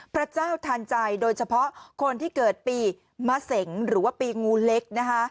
พระเจ้าทันใจโดยเฉพาะคนที่เกิดปีมะเสงหรือว่าปีงูเล็กนะคะ